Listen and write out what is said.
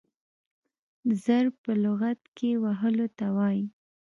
ضرب په لغت کښي وهلو ته وايي.